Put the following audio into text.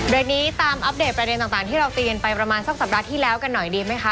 เดี๋ยวนี้ตามอัปเดตประเด็นต่างที่เราเตือนไปประมาณสักสัปดาห์ที่แล้วกันหน่อยดีไหมคะ